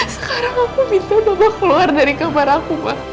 sekarang aku minta mama keluar dari kamar aku ma